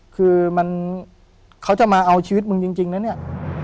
คือมันเขาจะมาเอาชีวิตมึงจริงนะเนี่ย